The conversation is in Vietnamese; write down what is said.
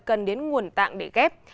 cần đến nguồn tạng để ghép